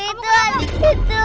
itu ada hantu